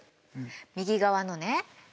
右側のね